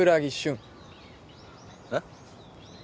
えっ？